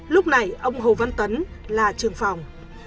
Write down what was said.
lúc này ông hồ văn tấn là trường phòng